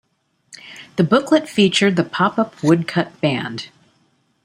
The booklet featured the pop-up woodcut band.